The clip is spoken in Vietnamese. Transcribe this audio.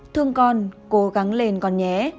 thương con cố gắng lên con nhé